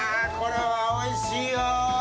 これはおいしいよ。